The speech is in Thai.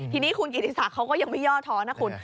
ทีนี้คุณกิติศักดิ์เขาก็ยังไม่ย่อท้อนะคุณ